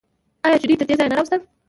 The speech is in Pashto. آیا چې دوی یې تر دې ځایه نه راوستل؟